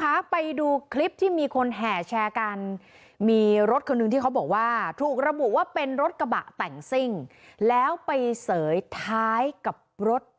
คะไปดูคลิปที่มีคนแห่แชร์กันมีรถคนหนึ่งที่เขาบอกว่าถูกระบุว่าเป็นรถกระบะแต่งซิ่งแล้วไปเสยท้ายกับรถ